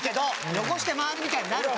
汚して回るみたいになるから。